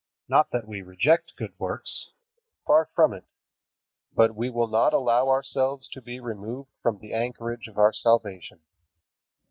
Not that we reject good works. Far from it. But we will not allow ourselves to be removed from the anchorage of our salvation.